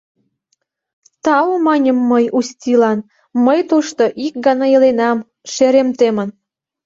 — Тау, — маньым мый Устилан, — мый тушто ик гана иленам, шерем темын...